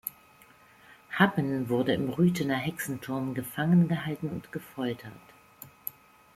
Happen wurde im Rüthener Hexenturm gefangen gehalten und gefoltert.